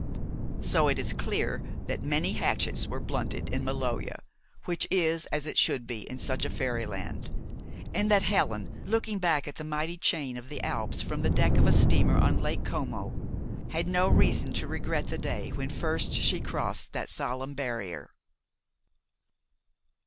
So it is clear that many hatchets were blunted in Maloja, which is as it should ever be in such a fairyland, and that Helen, looking back at the mighty chain of the Alps from the deck of a steamer on Lake Como, had no reason to regret the day when first she crossed that solemn barrier.